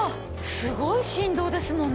すごい振動ですもんね。